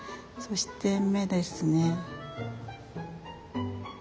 そして目ですね。